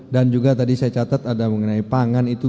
dan juga tadi saya catat mengenai pangan itu